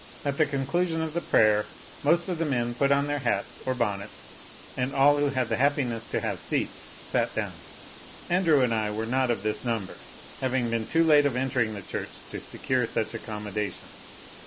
At the conclusion of the prayer, most of the men put on their hats or bonnets, and all who had the happiness to have seats sate down. Andrew and I were not of this number, having been too late of entering the church to secure such accommodation.